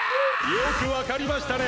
よくわかりましたね。